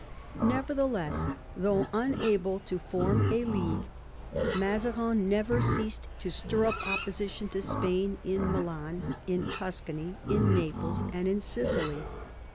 Nevertheless, though unable to form a league, Mazarin never ceased to stir up opposition to Spain in Milan, in Tuscany, in Naples, and in Sicily.